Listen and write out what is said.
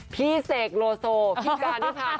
พี่เสกโลโซพี่การวิภากร